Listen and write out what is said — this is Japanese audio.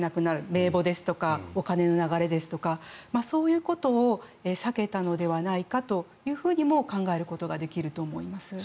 名簿とか、お金の流れですとかそういうことを避けたのではないかとも考えることができると思います。